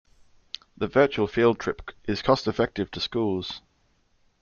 The virtual field trip is cost effective to schools.